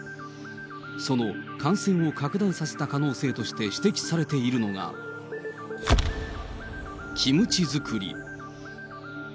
その感染を拡大させた可能性として指摘されているのが、キムチ作り。